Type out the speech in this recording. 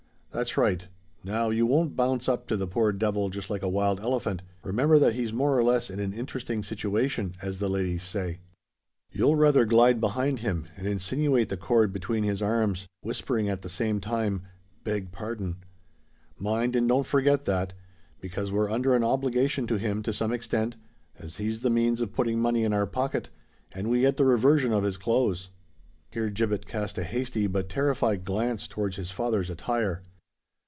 "That's right. Now you won't bounce up to the poor devil just like a wild elephant: remember that he's more or less in an interesting situation—as the ladies say. You'll rather glide behind him, and insinuate the cord between his arms, whispering at the same time, 'Beg pardon.' Mind and don't forget that; because we're under an obligation to him to some extent, as he's the means of putting money in our pocket, and we get the reversion of his clothes." Here Gibbet cast a hasty but terrified glance towards his father's attire.